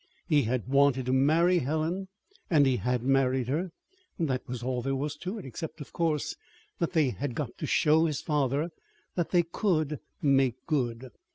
He had wanted to marry Helen, and he had married her. That was all there was to it, except, of course, that they had got to show his father that they could make good.